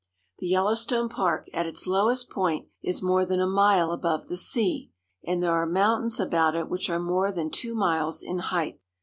The Yellowstone Park, at its lowest point, is more than a mile above the sea; and there are mountains about it which are more than two miles in height.